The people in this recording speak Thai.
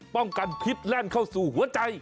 ป้องกันพิษแล่นเข้าสู่หัวใจ